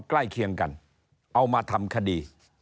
ใกล้เคียงกันเอามาทำคดี